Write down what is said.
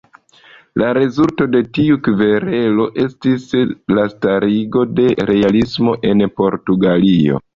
La rezulto de tiu kverelo estis la starigo de realismo en Portugalio.